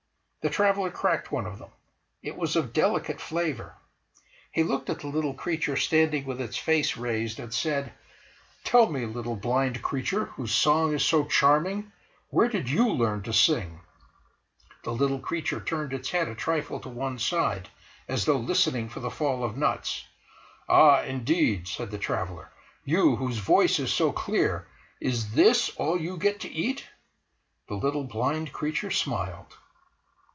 The traveller cracked one of them. It was of delicate flavour. He looked at the little creature standing with its face raised, and said: "Tell me, little blind creature, whose song is so charming, where did you learn to sing?" The little creature turned its head a trifle to one side as though listening for the fall of nuts. "Ah, indeed!" said the traveller: "You, whose voice is so clear, is this all you get to eat?" The little blind creature smiled